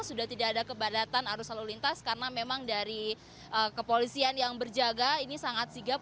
sudah tidak ada kebadatan arus lalu lintas karena memang dari kepolisian yang berjaga ini sangat sigap